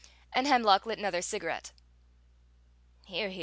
And Hemlock lit another cigarette. "Here, here!